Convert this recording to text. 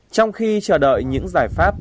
trong khi chờ đợi những giải pháp